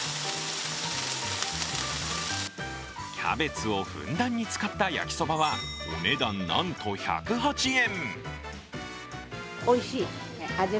キャベツをふんだんに使った焼きそばは、お値段なんと１０８円。